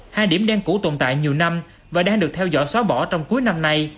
hai điểm đen cũ tồn tại nhiều năm và đang được theo dõi xóa bỏ trong cuối năm nay